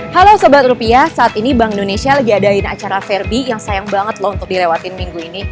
halo sebat rupiah saat ini bank indonesia lagi adain acara verby yang sayang banget loh untuk dilewatin minggu ini